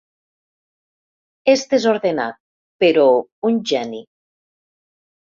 És desordenat, però un geni.